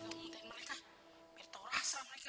kamu gak pernah didik sama mereka